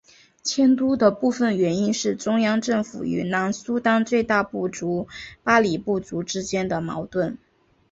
迁都的部分原因是中央政府与南苏丹最大部族巴里部族之间的矛盾。